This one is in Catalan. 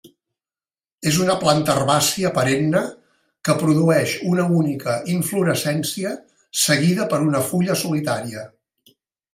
És una planta herbàcia perenne que produeix una única inflorescència seguida per una fulla solitària.